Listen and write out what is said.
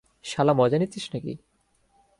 শালা মজা নিচ্ছিস নাকি।